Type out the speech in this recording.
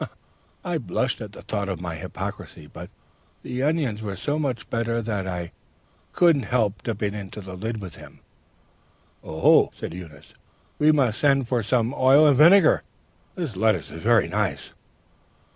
I blushed at the thought of my hypocrisy, but the onions were so much better that I couldn't help dipping into the lid with him. "'Oh,' said Eunice, 'we must send for some oil and vinegar! This lettuce is very nice.'